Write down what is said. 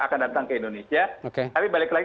akan datang ke indonesia tapi balik lagi